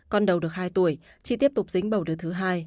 con đầu được hai tuổi chị tiếp tục dính bầu đứa thứ hai